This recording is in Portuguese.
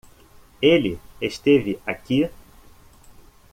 Ele esteve aqui?